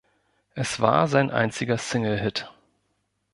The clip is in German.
Es war sein einziger Singlehit.